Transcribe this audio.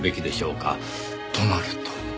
となると。